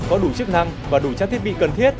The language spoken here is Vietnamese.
có đủ chức năng và đủ trang thiết bị cần thiết